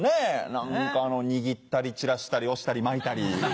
何か握ったりちらしたり押したり巻いたり。